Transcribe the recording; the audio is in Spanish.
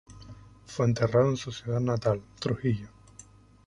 Fue enterrado en su ciudad natal, Trujillo.